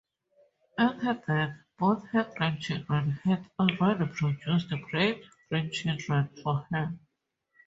At her death, both her grandchildren had already produced great-grandchildren for her.